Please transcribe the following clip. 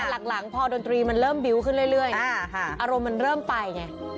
หลักหลังพอดนตรีมันเริ่มบิ้วขึ้นเรื่อยอ่าค่ะอารมณ์มันเริ่มไปไง